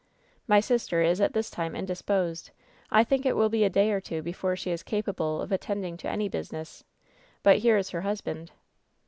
"My sister is at this time indisposed. I think it will be a day or two before she is capable of attending to any business. But here is her husband."